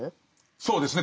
そうですね。